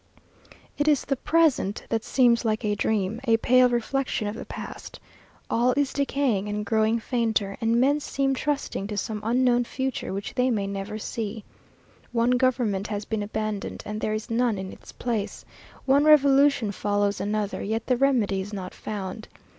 It is the present that seems like a dream, a pale reflection of the past. All is decaying and growing fainter, and men seem trusting to some unknown future which they may never see. One government has been abandoned, and there is none in its place. One revolution follows another, yet the remedy is not found.